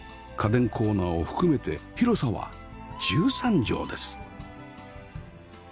家電コーナーを含めて広さは１３畳です